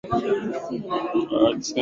Someni kwa bidii.